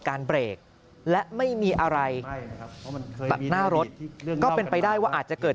เบรกและไม่มีอะไรแบบหน้ารถก็เป็นไปได้ว่าอาจจะเกิด